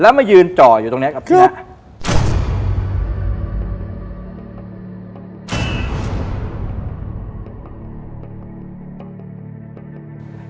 แล้วมายืนจ่ออยู่ตรงนี้กับเพื่อน